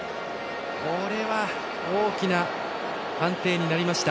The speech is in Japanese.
これは大きな判定になりました。